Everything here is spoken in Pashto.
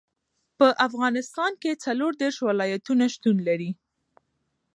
په افغانستان کې څلور دېرش ولایتونه شتون لري.